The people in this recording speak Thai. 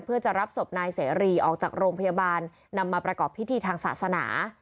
เพื่อจะรับศพนายเสรีออกจากโรงพยาบาลนำมาประกอบพิธีทางศาสนา